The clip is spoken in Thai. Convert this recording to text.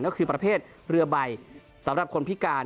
ก็คือประเภทเรือใบสำหรับคนพิการ